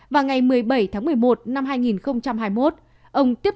và ngày một mươi bảy tháng một mươi một năm hai nghìn hai mươi một